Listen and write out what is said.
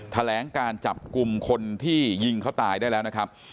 แถลงการจับกลุ่มคนที่ยิงเขาตายได้แล้วนะครับ